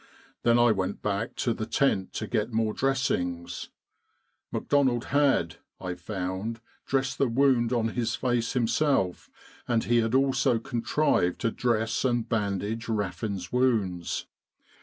Then I went back to the tent to get more dressings. McDonald had, I found, dressed the 98 Kantara and Katia wound on his face himself, and he had also contrived to dress and bandage Raffin's wounds.